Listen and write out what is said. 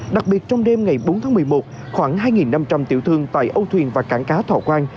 đặc biệt trong đêm ngày bốn tháng một mươi một khoảng hai năm trăm linh tiểu thương tại âu thuyền và cảng cá thọ quang